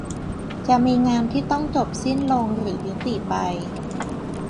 จะมีงานที่ต้องจบสิ้นลงหรือยุติไป